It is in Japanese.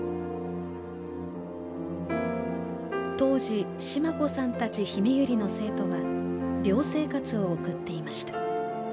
当時シマ子さんたちひめゆりの生徒は寮生活を送っていました。